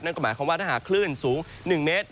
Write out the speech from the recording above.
ก็หมายความว่าถ้าหากคลื่นสูง๑เมตร